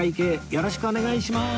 よろしくお願いします！